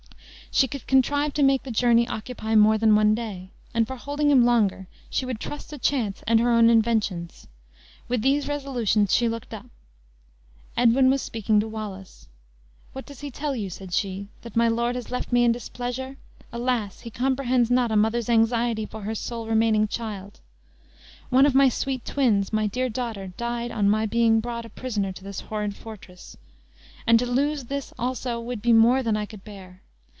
She could contrive to make the journey occupy more than one day, and for holding him longer she would trust to chance and her own inventions. With these resolutions she looked up. Edwin was speaking to Wallace. "What does he tell you?" said she; "that my lord has left me in displeasure? Alas! he comprehends not a mother's anxiety for her sole remaining child. One of my sweet twins, my dear daughter, died on my being brought a prisoner to this horrid fortress, and to lose this also would be more than I could bear.